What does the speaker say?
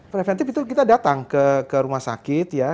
preventif itu kita datang ke rumah sakit ya